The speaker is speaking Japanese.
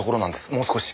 もう少し。